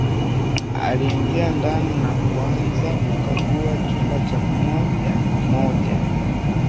Aliingia ndani na kuanza kukagua chumba cha mmoja mmoja